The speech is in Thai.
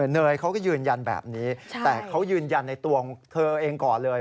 เนยเขาก็ยืนยันแบบนี้แต่เขายืนยันในตัวของเธอเองก่อนเลย